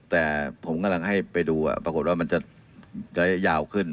แต่ผมกำลังให้ไปดูปรากฏว่ามันจะระยะยาวขึ้น